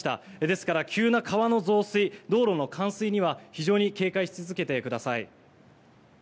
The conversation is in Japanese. ですから急な川の増水道路の冠水には非常に警戒し続けてください。